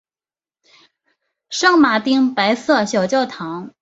圣马丁白色小教堂。